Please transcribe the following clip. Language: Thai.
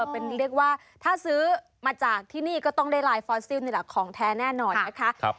เป็นเรียกว่าถ้าซื้อมาจากที่นี่ก็ต้องได้ลายฟอสซิลนี่แหละของแท้แน่นอนนะคะ